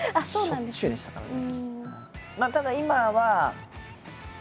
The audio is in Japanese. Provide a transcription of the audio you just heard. しょっちゅうでしたからね。